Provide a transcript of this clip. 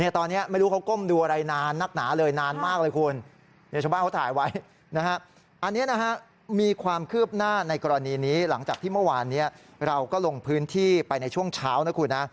ที่เมื่อวานเราก็ลงพื้นที่ไปในช่วงเช้านะคุณ